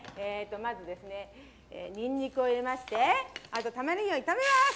まずですねにんにくを入れましてあとたまねぎを炒めます。